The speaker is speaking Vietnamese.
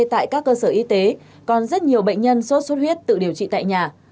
tại các cơ sở y tế còn rất nhiều bệnh nhân sốt xuất huyết tự điều trị tại nhà